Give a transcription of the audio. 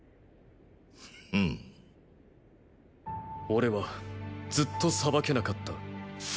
俺はずっと裁けなかった。